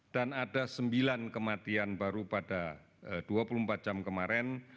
dan ada sembilan kematian baru pada dua puluh empat jam kemarin